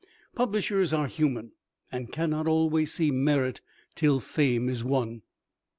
Publishers are human, and cannot always see merit till fame is won.